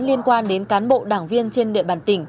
liên quan đến cán bộ đảng viên trên địa bàn tỉnh